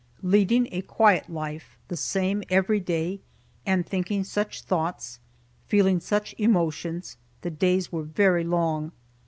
Leading a quiet life, the same every day, and thinking such thoughts, feeling such emotions, the days were very long.